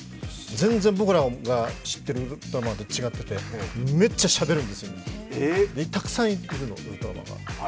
全然僕らが知ってるウルトラマンと違っててめっちゃしゃべるんです、たくさんいるの、ウルトラマンが。